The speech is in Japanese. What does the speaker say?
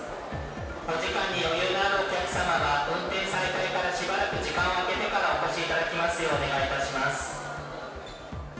お時間に余裕があるお客様は、運転再開からしばらく時間を空けてからお越しいただきますよう、お願いいたします。